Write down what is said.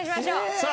さあ。